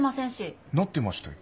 なってましたよ。